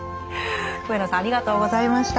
上野さんありがとうございました。